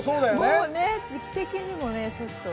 もうね、時期的にもね、ちょっと。